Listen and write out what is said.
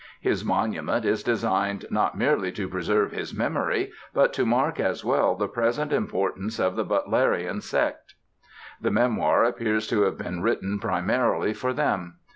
His monument is designed not merely to preserve his memory but to mark as well the present importance of the Butlerian sect. The memoir appears to have been written primarily for them.